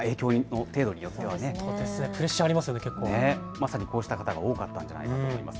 まさにこうした方が多かったんだと思います。